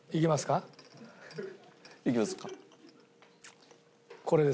いきますか。